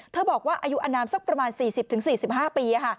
บอกว่าอายุอนามสักประมาณ๔๐๔๕ปี